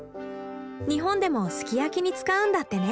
日本でもすき焼きに使うんだってね。